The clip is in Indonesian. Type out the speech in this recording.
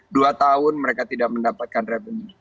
dua tahun mereka tidak mendapatkan revenue